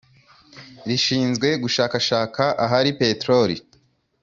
rishinzwe gushakashaka ahari Peteroli